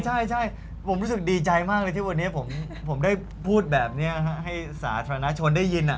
ใช่ผมรู้สึกดีใจมากเลยที่วันนี้ผมได้พูดแบบนี้ให้สาธารณชนได้ยิน